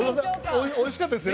おいしかったですよね？